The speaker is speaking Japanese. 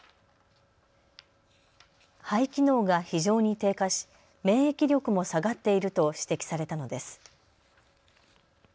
肺機能が非常に低下し、免疫力も下がっていると指摘されたのです。